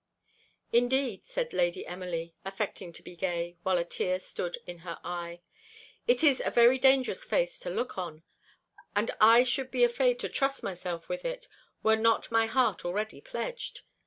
"Indeed," said Lady Emily, affecting to be gay, while a tear stood in her eye, "it is a very dangerous face to look on; and I should be afraid to trust myself with it, were not my heart already pledged.